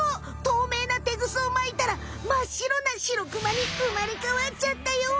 透明なテグスをまいたらまっ白なシロクマにうまれかわっちゃったよ！